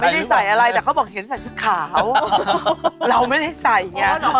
ไม่ได้ใส่อะไรแต่เขาบอกเห็นใส่ชุดขาวเราไม่ได้ใส่ไง